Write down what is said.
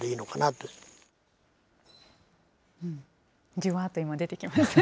じゅわーっと今、出てきましたね。